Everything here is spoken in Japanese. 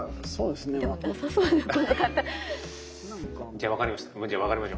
じゃあわかりました。